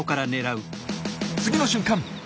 次の瞬間！